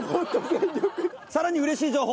さらに嬉しい情報。